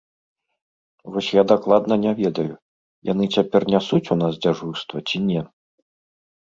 Вось я дакладна не ведаю, яны цяпер нясуць у нас дзяжурства, ці не.